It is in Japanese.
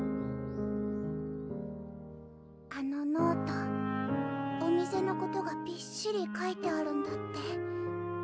あのノートお店のことがびっしり書いてあるんだって１００％